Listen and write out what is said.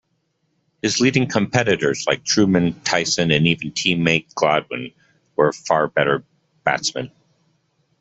His leading competitors like Trueman, Tyson, and even teammate Gladwin were far better batsmen.